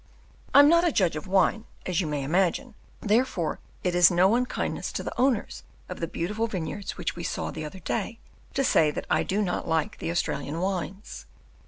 I am not a judge of wine, as you may imagine, therefore it is no unkindness to the owners of the beautiful vineyards which we saw the other day, to say that I do not like the Australian wines.